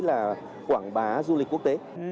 là quảng bá du lịch quốc tế